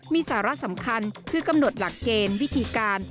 มีสาระสำคัญคือกำหนดหลักเกณฑ์วิธีการ